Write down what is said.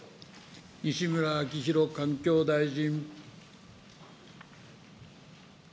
西村明宏環境大臣。